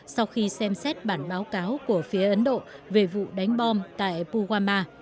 sau khi xem xét bản báo cáo của phía ấn độ về vụ đánh bom tại puwama